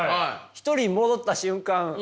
一人に戻った瞬間